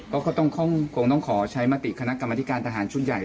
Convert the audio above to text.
ก็คงต้องขอใช้มติคณะกรรมธิการทหารชุดใหญ่